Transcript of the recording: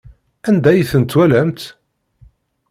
Anda ay ten-twalamt?